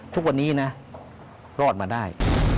ทุกวันนี้นะรอดมาได้